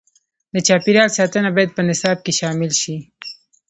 د چاپیریال ساتنه باید په نصاب کې شامل شي.